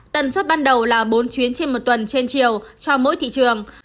tần suất ban đầu là bốn chuyến trên một tuần trên chiều cho mỗi thị trường